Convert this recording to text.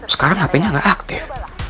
sekarang hpnya gak aktif